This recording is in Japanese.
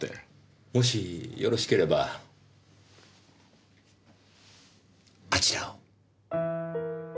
もしよろしければあちらを。